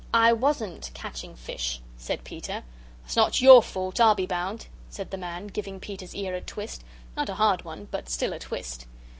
"I WASN'T catching fish," said Peter. "That's not YOUR fault, I'll be bound," said the man, giving Peter's ear a twist not a hard one but still a twist.